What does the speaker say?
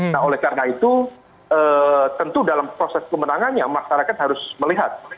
nah oleh karena itu tentu dalam proses kemenangannya masyarakat harus melihat